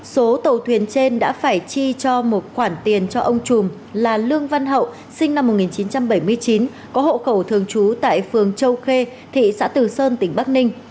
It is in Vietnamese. số tàu thuyền trên đã phải chi cho một khoản tiền cho ông chùm là lương văn hậu sinh năm một nghìn chín trăm bảy mươi chín có hộ khẩu thường trú tại phường châu khê thị xã từ sơn tỉnh bắc ninh